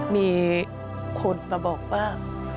มีคนมาบอกว่า